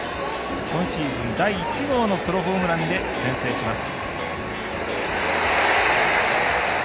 今シーズン第１号のソロホームランで先制します。